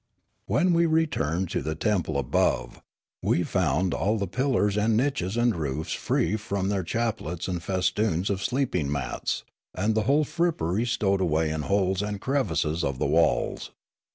When we returned to the temple above, we found all the pillars and niches and roofs free from their chaplets and festoons of sleeping mats, and the whole frippery stowed away in holes and crevices of the walls.